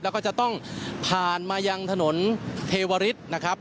แล้วก็จะต้องผ่านมายังถนนเทวริสนะครับ